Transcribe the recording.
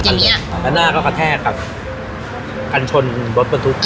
อย่างเงี้ยแล้วหน้าก็กระแทกกับกันชนรถเป็นทุกคน